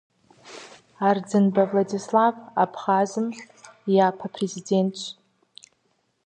Ардзынбэ Владислав Абхъазым и япэ Президентщ.